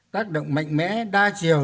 tác động mạnh mẽ đa chiều